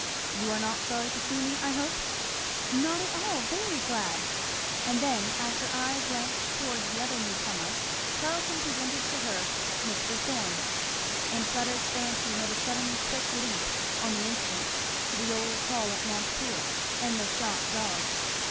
"You are not sorry to see me, I hope?" "Not at all very glad;" and then as her eye glanced towards the other new comer Charlton presented to her "Mr. Thorn;" and Fleda's fancy made a sudden quick leap on the instant to the old hall at Montepoole and the shot dog.